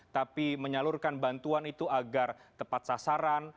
tapi menyalurkan bantuan itu agar tepat sasaran